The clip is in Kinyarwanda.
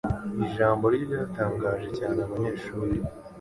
Ijambo rye ryatangaje cyane abanyeshuri.